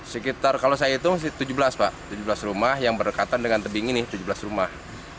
sekitar kalau saya hitung tujuh belas pak tujuh belas rumah yang berdekatan dengan tebing ini tujuh belas rumah